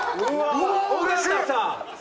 尾形さん。